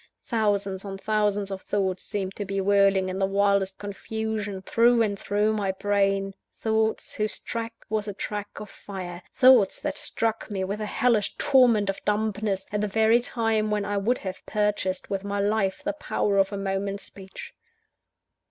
Thousands on thousands of thoughts seemed to be whirling in the wildest confusion through and through my brain thoughts, whose track was a track of fire thoughts that struck me with a hellish torment of dumbness, at the very time when I would have purchased with my life the power of a moment's speech.